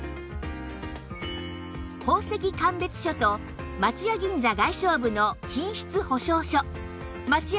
宝石鑑別書と松屋銀座外商部の品質保証書松屋